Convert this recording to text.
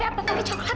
atau pakai apa taufan